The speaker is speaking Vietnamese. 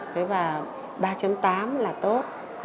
thế và ba tám là tốt